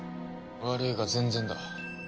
悪いが全然だ。